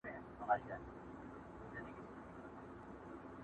ورته وخاندم او وروسته په ژړا سم!!